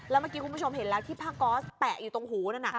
แล้วเมื่อกี้คุณผู้ชมเห็นแล้วที่ผ้าก๊อสแปะอยู่ตรงหูนั่นน่ะ